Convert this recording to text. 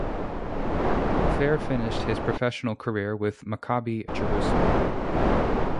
Fair finished his professional career with Maccabi Jerusalem.